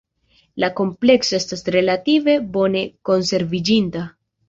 La komplekso estas relative bone konserviĝinta.